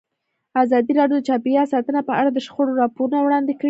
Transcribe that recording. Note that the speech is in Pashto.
ازادي راډیو د چاپیریال ساتنه په اړه د شخړو راپورونه وړاندې کړي.